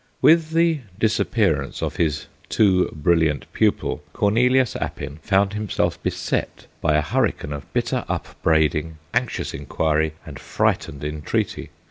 With the disappearance of his too brilliant pupil Cornelius Appin found himself beset by a hurricane of bitter upbraiding, anxious inquiry, and frightened entreaty.